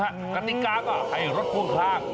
กติกาก็ให้รถพ่วงข้าง